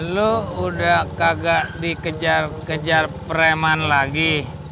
lu udah kagak dikejar kejar preman lagi